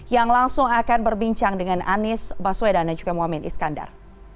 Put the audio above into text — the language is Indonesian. yang langsung akan berbincang dengan anies baswedan dan juga mohamad iskandar